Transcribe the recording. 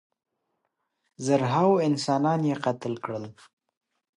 زرهاوو انسانان یې قتل کړل.